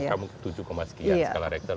itu memang pada angka tujuh sekitar